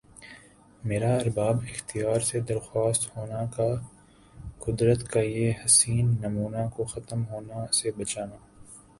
میرا ارباب اختیار سے درخواست ہونا کہ قدرت کا یِہ حسین نمونہ کو ختم ہونا سے بچنا